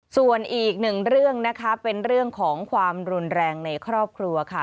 ส่วนอีกหนึ่งเรื่องนะคะเป็นเรื่องของความรุนแรงในครอบครัวค่ะ